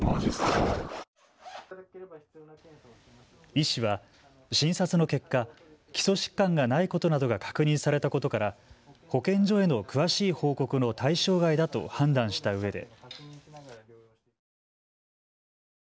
医師は診察の結果、基礎疾患がないことなどが確認されたことから保健所への詳しい報告の対象外だと判断したうえで。